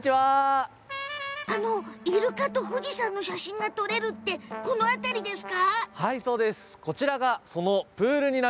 イルカと富士山の写真が撮れるってこの辺りですか？